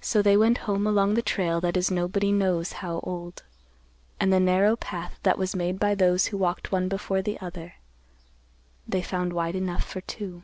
So they went home along the trail that is nobody knows how old, and the narrow path that was made by those who walked one before the other, they found wide enough for two.